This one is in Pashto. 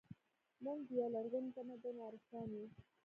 موږ د یو لرغوني تمدن وارثان یو